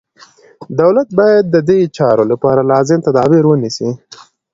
دولت باید ددې چارو لپاره لازم تدابیر ونیسي.